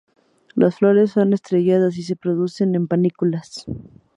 Las flores son estrelladas y se producen en panículas.